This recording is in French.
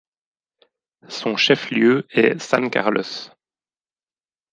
Son chef-lieu est San Carlos.